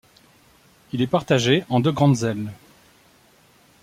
Il est partagé en deux grandes ailes.